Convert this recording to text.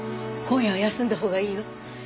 今夜は休んだほうがいいわ。